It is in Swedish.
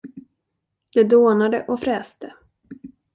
Det dånade och fräste.